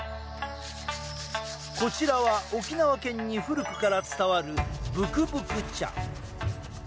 こちらは沖縄県に古くから伝わるぶくぶく茶。